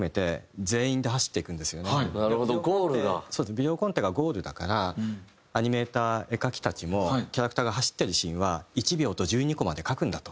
ビデオコンテがゴールだからアニメーター絵描きたちもキャラクターが走ってるシーンは１秒と１２コマで描くんだと。